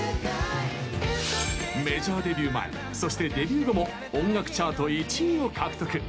メジャーデビュー前そしてデビュー後も音楽チャート１位を獲得。